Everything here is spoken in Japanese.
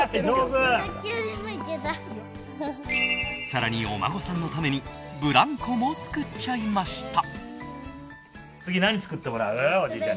更にお孫さんのためにブランコも作っちゃいました。